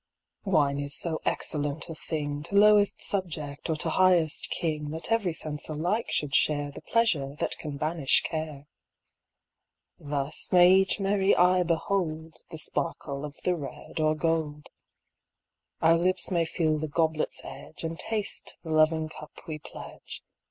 Wine is so excellent a thing To lowest subject, or to highest king, That every sense alike should share The pleasure that can banish care. Thus may each merry eye behold The sparkle of the red or gold. Our lips may feel the goblet's edge And taste the loving cup we pledge.